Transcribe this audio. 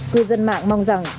cư dân mạng mong rằng